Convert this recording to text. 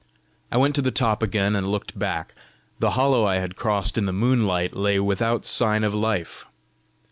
I went to the top again, and looked back: the hollow I had crossed in the moonlight lay without sign of life.